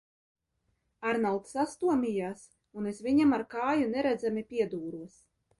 Arnolds sastomījās un es viņam ar kāju neredzami piedūros.